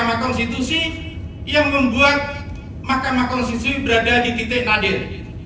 yang membuat mk berada di titik nadir